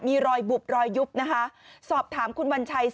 มีรอยบุบรอยยุบนะคะสอบถามคุณวัญชัย